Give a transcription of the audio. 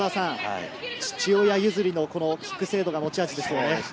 父親譲りのキック精度が持ち味ですね。